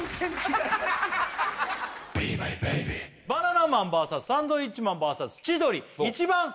バナナマンＶＳサンドウィッチマンＶＳ千鳥１番○